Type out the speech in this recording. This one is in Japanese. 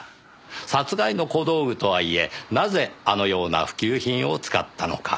殺害の小道具とはいえなぜあのような普及品を使ったのか？